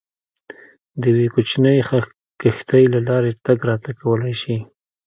د یوې کوچنۍ کښتۍ له لارې تګ راتګ کولای شي.